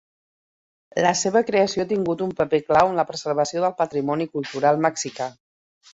La seva creació ha tingut un paper clau en la preservació del patrimoni cultural mexicà.